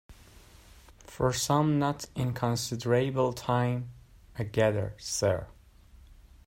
For some not inconsiderable time, I gather, sir.